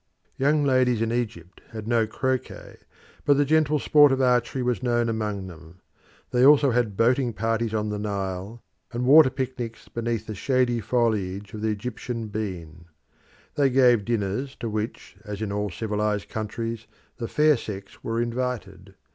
Young ladies in Egypt had no croquet, but the gentle sport of archery was known among them. They had also boating parties on the Nile, and water picnics beneath the shady foliage of the Egyptian bean. They gave dinners, to which, as in all civilised countries, the fair sex were invited.